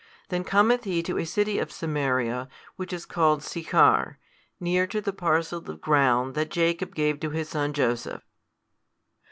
Then cometh He to a city of Samaria which is called Sychar, near to the parcel of ground that Jacob gave to his son Joseph.